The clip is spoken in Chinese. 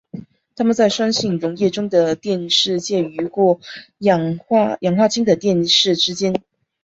它们在酸性溶液中的电势介于过氧化氢的电势之间。